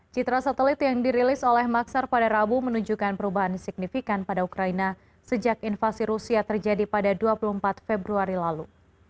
citra satelit yang dirilis oleh maksar pada rabu menunjukkan perubahan signifikan pada ukraina sejak invasi rusia terjadi pada dua puluh empat februari lalu